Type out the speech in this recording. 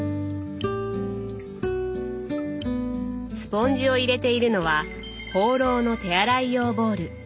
スポンジを入れているのはホーローの手洗い用ボウル。